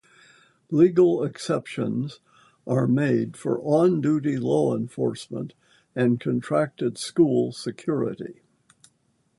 Legal exceptions are made for on-duty law enforcement and contracted school security.